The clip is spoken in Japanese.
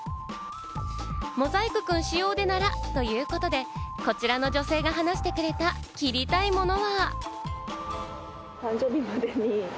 モザイクくん使用でならということで、こちらの女性が話してくれた切りたいものは？